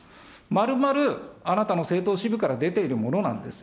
まるまるあなたの政党支部から出ているものなんです。